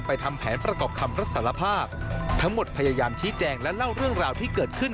ไปทำแผนประกอบคำรัศสารภาพ